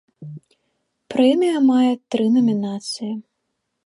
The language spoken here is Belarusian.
Прэмія мае тры намінацыі.